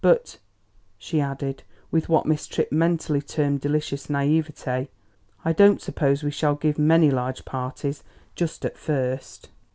But," she added, with what Miss Tripp mentally termed delicious naïveté, "I don't suppose we shall give many large parties, just at first."